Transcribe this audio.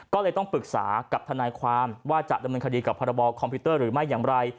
ก็เลยต้องปรึกษากับทนายความว่าจะดำเนินคดีกับพรบคอมพิวเตอร์หรือไม่อย่างไร